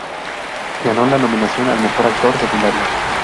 Ganó la nominación al mejor actor secundario.